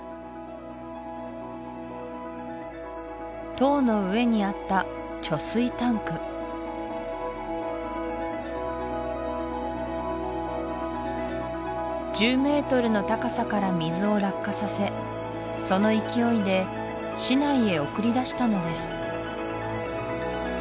塔の上にあった貯水タンク１０メートルの高さから水を落下させその勢いで市内へ送り出したのです